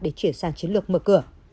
để chuyển sang chiến lược mở cửa